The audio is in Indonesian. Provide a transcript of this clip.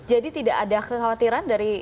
jadi tidak ada kekhawatiran dari